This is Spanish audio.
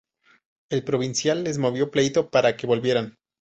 El provincial les movió pleito para que volvieran.